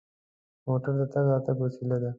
موټر د تګ راتګ وسیله ده.